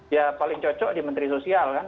ya paling cocok di menteri sosial kan